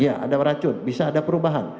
iya ada racun bisa ada perubahan